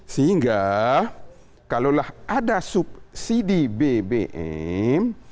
sehingga kalaulah ada subsidi bbm